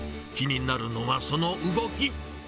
気になるのはその動き。